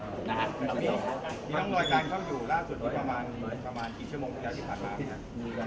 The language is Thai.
มันมีร่องรอยการเข้าอยู่ล่าสุดไว้ประมาณกี่ชั่วโมงที่แล้วที่ผ่านมา